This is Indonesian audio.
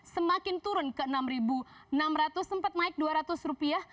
semakin turun ke rp enam enam ratus sempat naik rp dua ratus